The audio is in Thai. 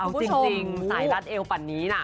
เอาจริงสายรัดเอวปั่นนี้น่ะ